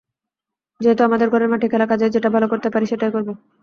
যেহেতু আমাদের ঘরের মাঠে খেলা, কাজেই যেটা ভালো করতে পারি সেটাই করব।